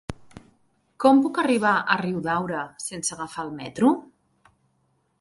Com puc arribar a Riudaura sense agafar el metro?